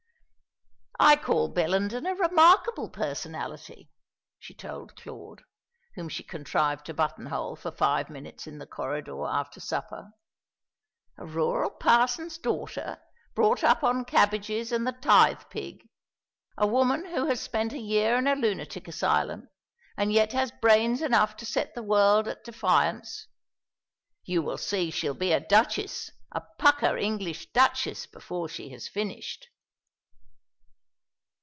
"I call Bellenden a remarkable personality," she told Claude, whom she contrived to buttonhole for five minutes in the corridor after supper. "A rural parson's daughter, brought up on cabbages and the tithe pig. A woman who has spent a year in a lunatic asylum, and yet has brains enough to set the world at defiance. You will see she'll be a duchess a pucker English duchess before she has finished."